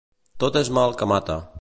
Tot és mal que mata.